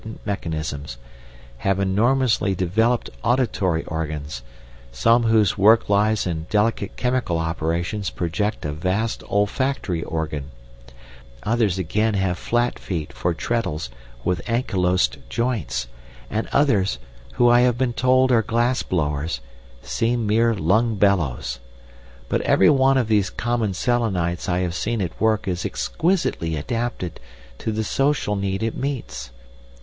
Some, who I suppose deal with bell striking mechanisms, have enormously developed auditory organs; some whose work lies in delicate chemical operations project a vast olfactory organ; others again have flat feet for treadles with anchylosed joints; and others—who I have been told are glassblowers—seem mere lung bellows. But every one of these common Selenites I have seen at work is exquisitely adapted to the social need it meets.